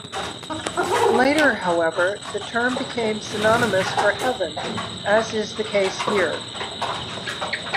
Later, however, the term became synonymous for heaven, as is the case here.